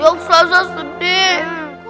ya ustadzah sedih